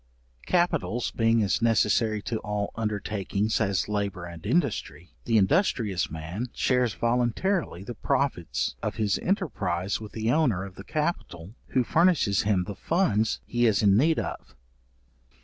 Capitals being as necessary to all undertakings as labour and industry, the industrious man shares voluntarily the profit of his enterprize with the owner of the capital who furnishes him the funds he is in need of.